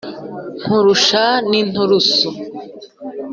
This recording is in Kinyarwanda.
Nkurusha n'inturusu